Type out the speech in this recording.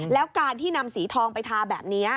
แล้วการที่นำสีทองไปทาแบบนี้